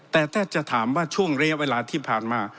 แต่ถ้าจะถามว่าช่วงระยะเวลาที่ผ่านมา